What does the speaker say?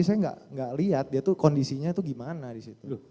saya gak lihat dia tuh kondisinya tuh gimana disitu